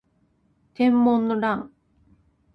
天文の乱